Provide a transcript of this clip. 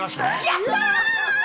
やったー！